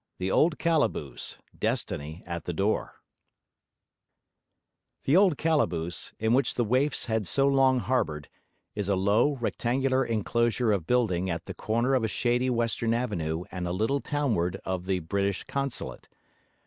THE OLD CALABOOSE DESTINY AT THE DOOR The old calaboose, in which the waifs had so long harboured, is a low, rectangular enclosure of building at the corner of a shady western avenue and a little townward of the British consulate.